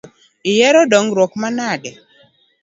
Ihero dondruok manade?